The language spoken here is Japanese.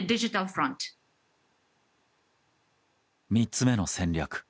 ３つ目の戦略。